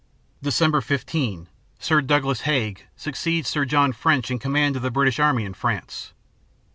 Dec. 15 Sir Douglas Haig succeeds Sir John French in command of the British army in France.